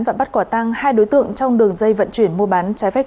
và bắt quả tăng hai đối tượng trong đường dây vận chuyển mua bán trái phép